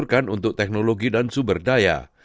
atau yang terakhir pada akhir hari